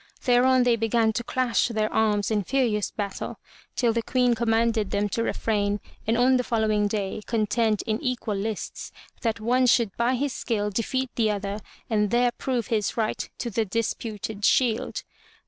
Thereon they began to clash their arms in furious battle till the queen commanded them to refrain and on the following day contend in equal lists that one should by his skill defeat the other and there prove his right to the disputed shield.